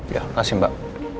ya kasih mbak